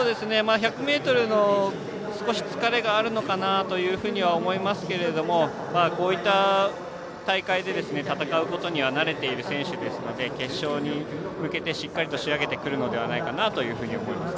１００ｍの疲れがあるのかなというふうに思いますけどもこういった大会で戦うことには慣れている選手ですので決勝に向けてしっかりと仕上げてくるのではないかと思います。